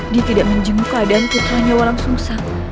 dia tidak menjemuk keadaan putranya walang susah